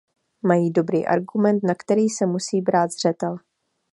Mají dobrý argument, na který se musí brát zřetel.